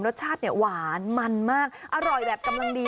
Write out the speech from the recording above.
รสชาติเนี่ยหวานมันมากอร่อยแบบกำลังดี